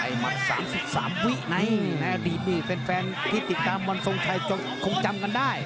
มัด๓๓วิในอดีตนี่แฟนที่ติดตามวันทรงชัยคงจำกันได้